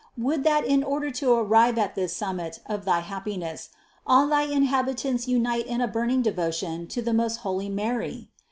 Would that in order to arrive at this summit of thy happiness, all thy inhabitants unite in a burning devotion to the most holy Mary!